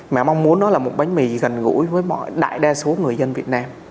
mà mong muốn đó là một bánh mì gần gũi với đại đa số người dân việt nam